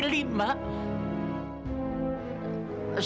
neng nona jualan di kaki lima